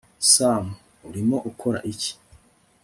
sam, urimo ukora iki